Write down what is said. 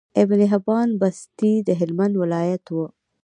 ابن حبان بستي د هلمند ولايت وو